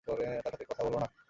তার সাথে কথা বলো না!